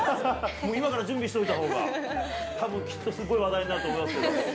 もう今から準備しておいたほうが、たぶん、きっと話題になると思いますよ。